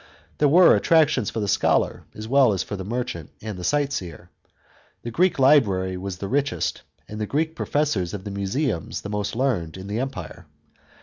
There were attrac'ions for the scholar, as well as for the merchant, and the sight seer ; the Greek library was the richest, and the Greek professors of the Museums the most learned, in the Empire.